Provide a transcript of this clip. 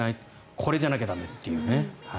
これじゃなきゃ駄目というね。